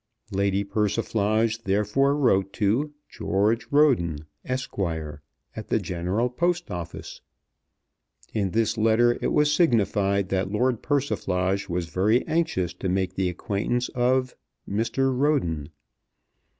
Lady Persiflage therefore wrote to George Roden, Esq., at the General Post Office. In this letter it was signified that Lord Persiflage was very anxious to make the acquaintance of Mr. Roden.